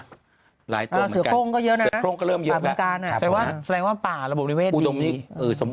ใช่ไหมละ